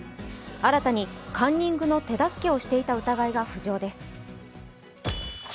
新たにカンニングの手助けをしていた疑いが浮上です。